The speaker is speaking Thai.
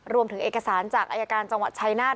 รวมถึงเอกสารจากอายการจังหวัดชายนาฏ